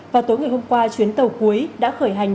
vào tối ngày hôm qua chuyến tàu cuối đã khởi hành